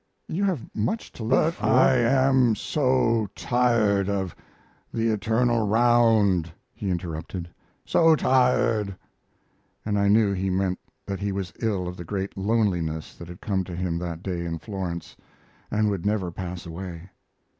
"You have much to live for " "But I am so tired of the eternal round," he interrupted; "so tired." And I knew he meant that he was ill of the great loneliness that had come to him that day in Florence, and would never pass away.